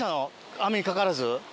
網にかからず？